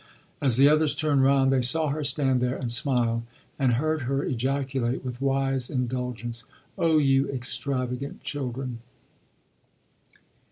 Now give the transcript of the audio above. As the others turned round they saw her stand there and smile, and heard her ejaculate with wise indulgence: "Oh you extravagant children!"